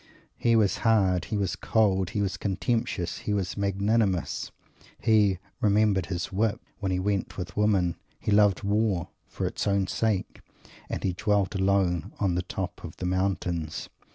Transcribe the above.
He was hard, he was cold, he was contemptuous, he was "magnanimous," he "remembered his whip" when he went with women, he loved war for its own sake, and he dwelt alone on the top of the mountains.